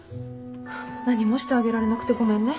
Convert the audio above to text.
何もしてあげられなくてごめんね。